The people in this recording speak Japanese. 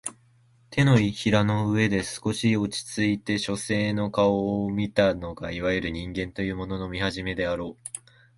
掌の上で少し落ちついて書生の顔を見たのがいわゆる人間というものの見始めであろう